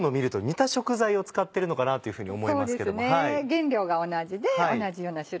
原料が同じで同じような種類の。